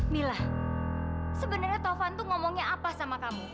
mila sebenarnya taufan tuh ngomongnya apa sama kamu